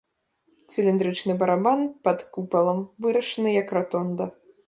Цыліндрычны барабан пад купалам вырашаны як ратонда.